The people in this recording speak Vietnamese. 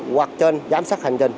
hoặc trên giám sát hành trình